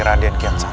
raden kian sana